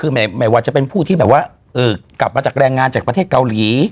คือไม่ว่าจะเป็นผู้ที่แบบว่ากลับมาจากแรงงานจากประเทศเกาหลี